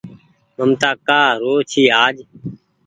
ممتآ ڪآ رو آج